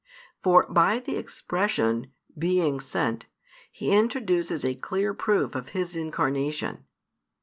For by the expression "being sent," He introduces a clear proof of His Incarnation.